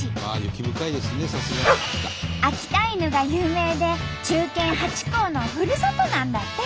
秋田犬が有名で忠犬ハチ公のふるさとなんだって！